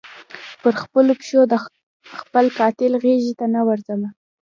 پر خپلو پښو د خپل قاتل غیږي ته نه ورځمه